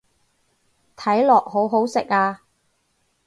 睇落好好食啊